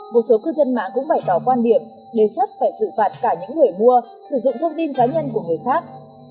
một số cư dân mạng cũng bày tỏ quan điểm đề xuất phải xử phạt cả những người mua sử dụng thông tin cá nhân của người khác